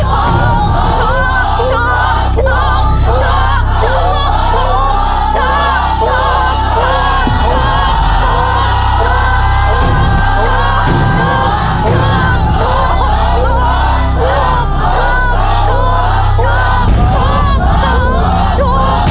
เฮ้